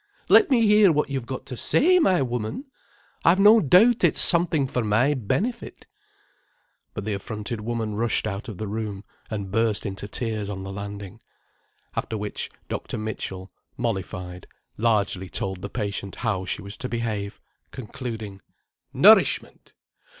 Let me hear what you've got to say, my woman. I've no doubt it's something for my benefit—" But the affronted woman rushed out of the room, and burst into tears on the landing. After which Dr. Mitchell, mollified, largely told the patient how she was to behave, concluding: "Nourishment!